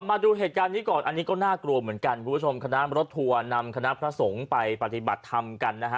มาดูเหตุการณ์นี้ก่อนอันนี้ก็น่ากลัวเหมือนกันคุณผู้ชมคณะรถทัวร์นำคณะพระสงฆ์ไปปฏิบัติธรรมกันนะฮะ